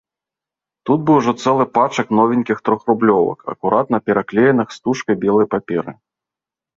Тут быў ужо цэлы пачак новенькіх трохрублёвак, акуратна пераклееных стужкай белай паперы.